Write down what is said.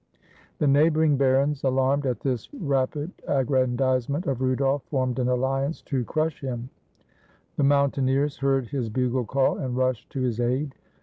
The neighboring barons, alarmed at this rapid ag grandizement of Rudolf, formed an alhance to crush him. The mountaineers heard his bugle call and rushed to his aid.